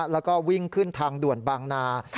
แล้วก็วิ่งขึ้นทางด่วนบางนา